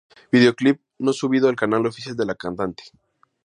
Videoclip no subido al canal oficial de la cantante.